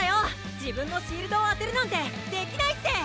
自分のシールドを当てるなんてできないって！